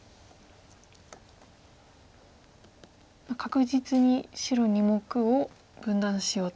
確実に白２目を分断しようと。